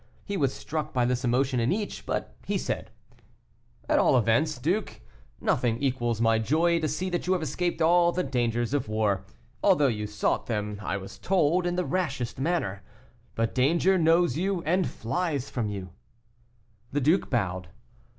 He was struck by this emotion in each, but he said: "At all events, duke, nothing equals my joy to see that you have escaped all the dangers of war, although you sought them, I was told in the rashest manner; but danger knows you and flies you." The duke bowed.